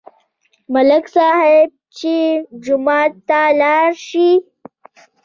ملک صاحب چې جومات ته راشي.